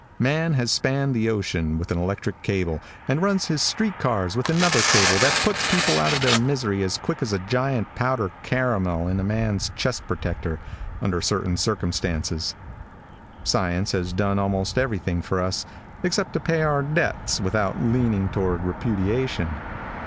Man has spanned the ocean with an electric cable, and runs his street cars with another cable that puts people out of their misery as quick as a giant powder caramel in a man's chest protector, under certain circumstances. Science has done almost everything for us, except to pay our debts without leaning toward repudiation.